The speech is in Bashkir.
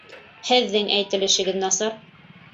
Һеҙҙең әйтелешегеҙ насар